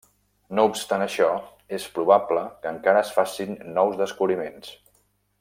No obstant això, és probable que encara es facin nous descobriments.